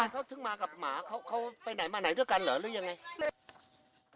เขาถึงมากับหมาเขาไปไหนมาไหนด้วยกันเหรอหรือยังไง